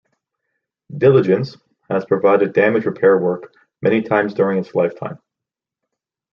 "Diligence" has provided damage repair work many times during its lifetime.